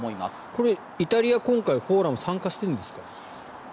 これ、イタリアは今回フォーラムに参加しているんですか？